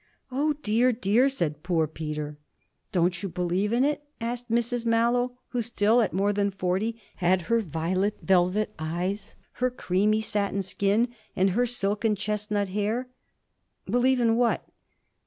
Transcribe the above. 'Oh dear, dear!' said poor Peter. 'Don't you believe in it?' asked Mrs Mallow, who still, at more than forty, had her violet velvet eyes, her creamy satin skin and her silken chestnut hair. 'Believe in what?'